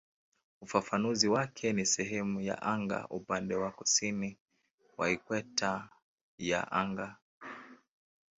Ufafanuzi wake ni "sehemu ya anga upande wa kusini wa ikweta ya anga".